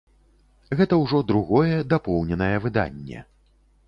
Гэта ўжо другое, дапоўненае выданне.